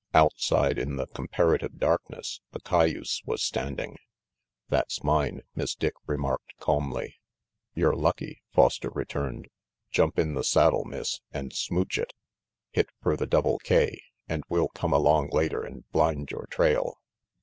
Outside, in the comparative darkness, a cayuse was standing. RANGY PETE 211 "That's mine," Miss Dick remarked calmly. "Yer lucky," Foster returned. "Jump in the saddle, Miss, and smooch it. Hit fer the Double K, and we'll come along later and blind yore trail."